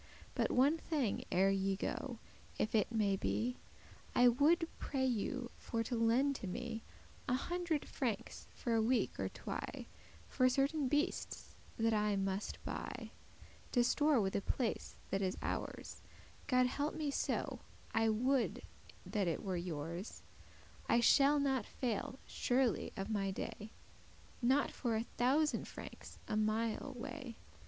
But one thing ere ye go, if it may be; I woulde pray you for to lend to me A hundred frankes, for a week or twy, For certain beastes that I muste buy, To store with a place that is ours (God help me so, I would that it were yours); I shall not faile surely of my day, Not for a thousand francs, a mile way.